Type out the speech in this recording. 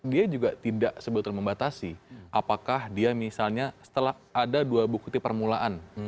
dia juga tidak sebetulnya membatasi apakah dia misalnya setelah ada dua buku permulaan